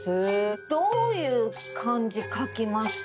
どういう漢字書きますか？